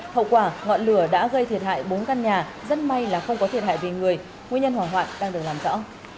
hậu quả ngọn lửa đã gây thiệt hại bốn căn nhà rất may là không có thiệt hại về người nguyên nhân hỏa hoạn đang được làm rõ